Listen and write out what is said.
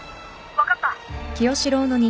分かった。